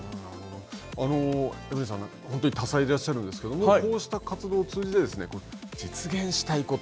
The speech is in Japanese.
エブリンさん、本当に多才でいらっしゃるんですけど、こうした活動を通じて実現したいこと。